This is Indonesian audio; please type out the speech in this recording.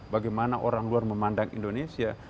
bagaimana orang luar memandang indonesia